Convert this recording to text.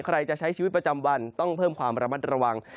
ใครจะใช้ชีวิตประจำวันต้องเพิ่มความระมัดระวัง